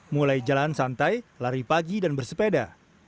mulai jalan santai lari pagi dan bersepeda